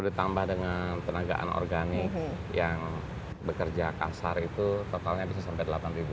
ditambah dengan tenagaan organik yang bekerja kasar itu totalnya bisa sampai delapan